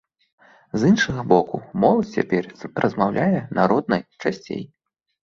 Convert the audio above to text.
З іншага боку, моладзь цяпер размаўляе на роднай часцей.